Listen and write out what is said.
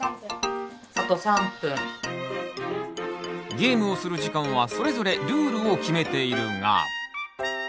ゲームをする時間はそれぞれルールを決めているが。